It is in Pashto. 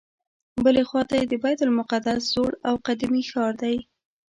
بلې خواته یې د بیت المقدس زوړ او قدیمي ښار دی.